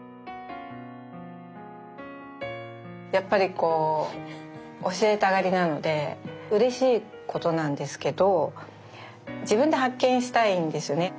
やっぱりこう教えたがりなのでうれしいことなんですけど自分で発見したいんですよね。